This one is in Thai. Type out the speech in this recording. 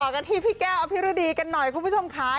กันที่พี่แก้วอภิรดีกันหน่อยคุณผู้ชมค่ะ